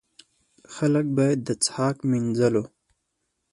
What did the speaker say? خلک باید د څښاک، مینځلو.